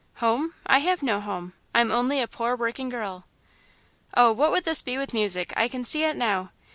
"Home? I have no home I'm only a poor working girl." "Oh, what would this be with music! I can see it now!